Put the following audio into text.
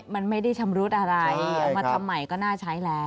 มันไม่ได้ชำรุดอะไรเอามาทำใหม่ก็น่าใช้แล้ว